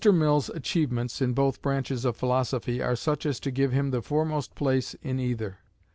Mill's achievements in both branches of philosophy are such as to give him the foremost place in either.